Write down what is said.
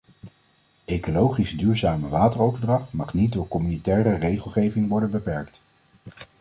Ecologisch duurzame wateroverdracht mag niet door communautaire regelgeving worden beperkt.